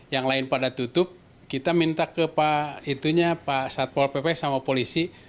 yang lain pada tutup kita minta ke pak itunya pak satpol pp sama polisi